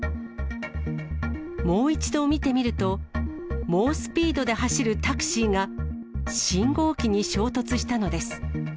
もう一度見てみると、猛スピードで走るタクシーが、信号機に衝突したのです。